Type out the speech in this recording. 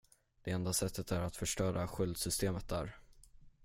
Det enda sättet är att förstöra sköldsystemet där.